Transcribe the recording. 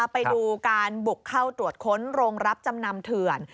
ไปดูการบุกเข้าตรวจค้นโรงรับจำนำเถื่อน